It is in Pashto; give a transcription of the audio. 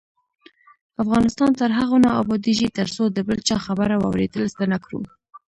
افغانستان تر هغو نه ابادیږي، ترڅو د بل چا خبره واوریدل زده نکړو.